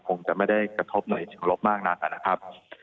คงจะไม่ได้กระทบในชุมรบมากนักนะครับ